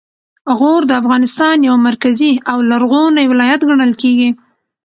غور د افغانستان یو مرکزي او لرغونی ولایت ګڼل کیږي